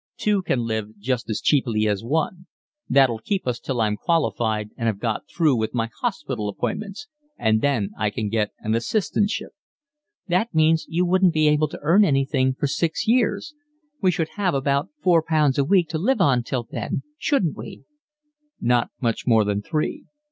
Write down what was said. Two can live just as cheaply as one. That'll keep us till I'm qualified and have got through with my hospital appointments, and then I can get an assistantship." "It means you wouldn't be able to earn anything for six years. We should have about four pounds a week to live on till then, shouldn't we?" "Not much more than three.